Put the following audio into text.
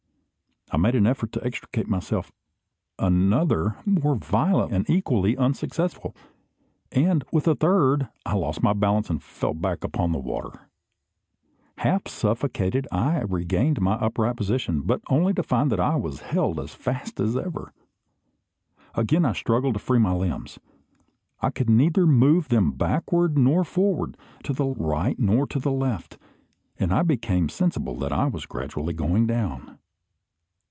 I made an effort to extricate myself; another, more violent, and equally unsuccessful; and, with a third, I lost my balance, and fell back upon the water. Half suffocated, I regained my upright position, but only to find that I was held as fast as ever. Again I struggled to free my limbs. I could neither move them backward nor forward, to the right nor to the left; and I became sensible that I was gradually going down.